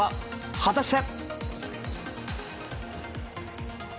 果たして。